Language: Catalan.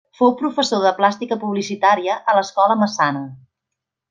Fou professor de plàstica publicitària a l'escola Massana.